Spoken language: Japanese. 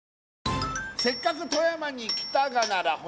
せの「せっかく富山に来たがなら」